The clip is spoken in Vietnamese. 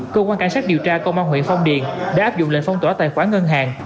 cơ quan cảnh sát điều tra công an huyện phong điền đã áp dụng lệnh phong tỏa tài khoản ngân hàng